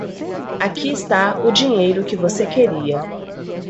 Aqui está o dinheiro que você queria.